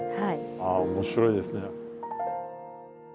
ああ面白いですね。